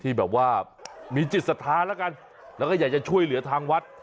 ที่แบบว่ามีจิตศรัทธาแล้วกันแล้วก็อยากจะช่วยเหลือทางวัด